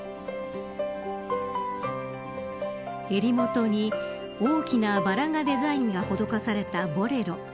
襟元に大きなバラのデザインが施されたボレロ。